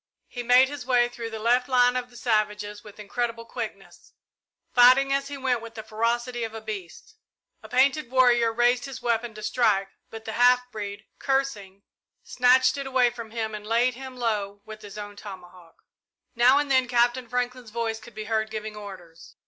He made his way through the left line of the savages with incredible quickness, fighting as he went with the ferocity of a beast. A painted warrior raised his weapon to strike, but the half breed, cursing, snatched it away from him and laid him low with his own tomahawk. Now and then Captain Franklin's voice could be heard giving orders.